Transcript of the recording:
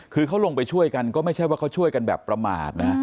คือเขาลงไปช่วยกันก็ไม่ใช่ว่าเขาช่วยกันแบบประมาทนะ